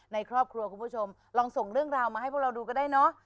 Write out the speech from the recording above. ในครอบครัวคุณผู้ชมลองส่งเรื่องราวมาให้พวกเราดูก็ได้เนอะ